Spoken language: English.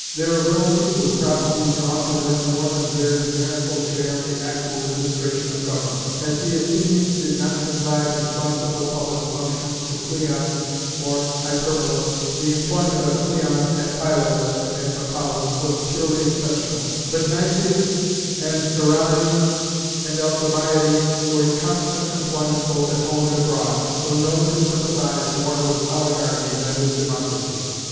Their abilities would probably draw to them more than their numerical share of the actual administration of government; as the Athenians did not confide responsible public functions to Cleon or Hyperbolus (the employment of Cleon at Pylos and Amphipolis was purely exceptional), but Nicias, and Theramenes, and Alcibiades were in constant employment both at home and abroad, though known to sympathize more with oligarchy than with democracy.